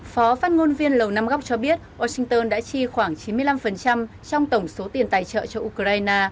phó phát ngôn viên lầu nam góc cho biết washington đã chi khoảng chín mươi năm trong tổng số tiền tài trợ cho ukraine